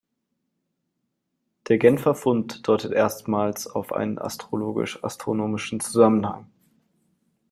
Der Genfer Fund deutet erstmals auf einen astrologisch-astronomischen Zusammenhang.